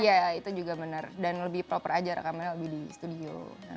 iya itu juga benar dan lebih proper aja rekamannya lebih di studio